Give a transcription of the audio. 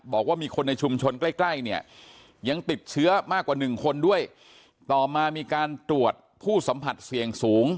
บอกว่ามีคนในชุมชนใกล้ใกล้เนี่ยยังติดเชื้อมากกว่าหนึ่งคนด้วยต่อมามีการตรวจผู้สัมผัสเสี่ยงสูง